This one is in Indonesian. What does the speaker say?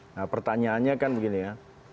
nah pertanyaannya kan begini ya